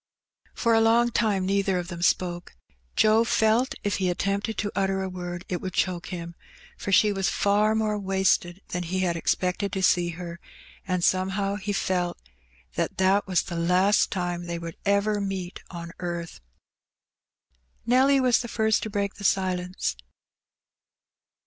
For a long time neither of them spoke. Joe felt if he attempted to utter a word it would choke him, for she was far more wasted than he had expected to see her, and some how he felt that that was the last time they would ever meet on earth. Nelly was the first to break the silence.